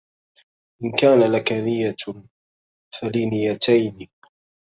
إن كان لك نية فلي نيتين